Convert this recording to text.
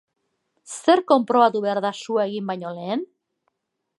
Zer konprobatu behar da sua egin baino lehen?